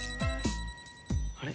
あれ？